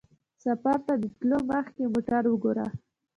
سفر ته د تلو مخکې موټر وګوره.